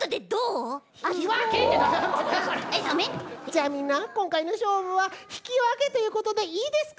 じゃあみんなこんかいのしょうぶはひきわけということでいいですか？